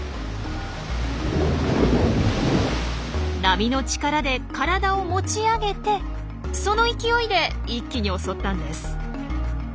波の力で体を持ち上げてその勢いで一気に襲ったんです。